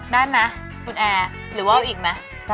ได้ไหมคุณแอร์หรือว่าวอีกไหม